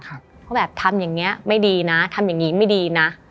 เขาแบบทำอย่างนี้ไม่ดีนะทำอย่างนี้ไม่ดีนะ